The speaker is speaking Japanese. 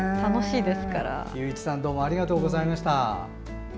裕一さんどうもありがとうございました。